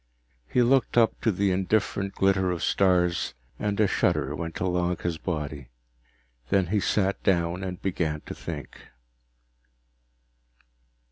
He looked up to the indifferent glitter of stars, and a shudder went along his body. Then he sat down and began to think.